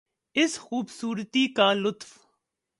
اس خوبصورتی کا لطف